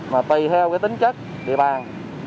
mà tùy theo cái tính chất địa bàn